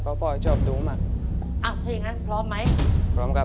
เพราะพ่อชอบดูมากอ่ะถ้าอย่างงั้นพร้อมไหมพร้อมครับ